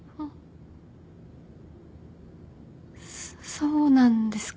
そうなんですか。